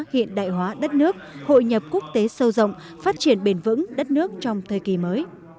hiện đại hóa đất nước hội nhập quốc tế sâu rộng phát triển bền vững đất nước trong thời kỳ mới